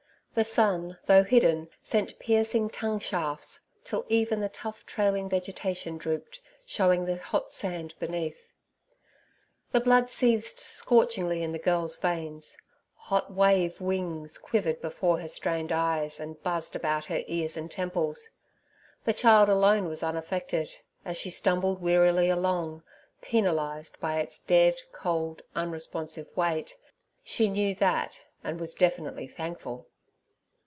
The sun, though hidden, sent piercing tongue shafts, till even the tough trailing vegetation drooped, showing the hot sand beneath. The blood seethed scorchingly in the girl's veins; hot wave wings quivered before her strained eyes, and buzzed about her ears and temples. The child alone was unaffected, as she stumbled wearily along, penalized by its dead, cold, unresponsive weight, she knew that, and was definitely thankful.